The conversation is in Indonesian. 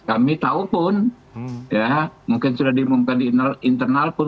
kami tahu pun mungkin sudah diumumkan di internal pun